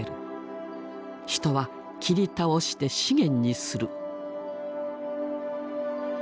人は切り倒して資源にする。